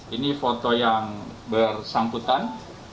ini foto yang bersangkutan